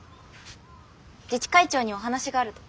自治会長にお話があると。